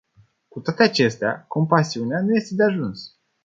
Cu toate acestea, compasiunea nu este de ajuns.